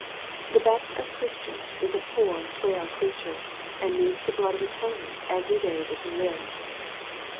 The best of Christians is a poor frail creature, and needs the blood of atonement every day that he lives.